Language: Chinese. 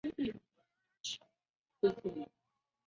现在典藏于日本水户市的彰考馆德川博物馆。